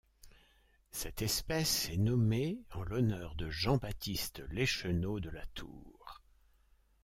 Cette espèce est nommée en l'honneur de Jean-Baptiste Leschenault de La Tour.